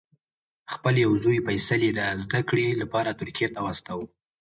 خپل یو زوی فیصل یې د زده کړې لپاره ترکیې ته واستاوه.